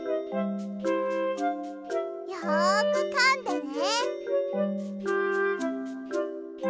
よくかんでね。